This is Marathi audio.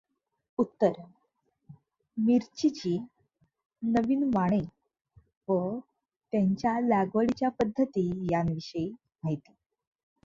उत्तर: मिरचीची नवीन वाणे व त्यांच्या लागवडीच्या पद्धती ह्यांविषयी माहिती